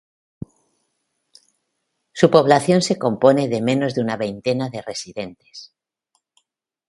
Su población se compone de menos de una veintena de residentes.